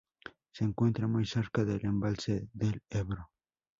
Se encuentra muy cerca del embalse del Ebro.